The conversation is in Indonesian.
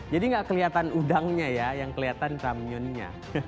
jadi tidak kelihatan udangnya ya yang kelihatan ramyunnya